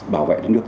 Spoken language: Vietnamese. bảo vệ đất nước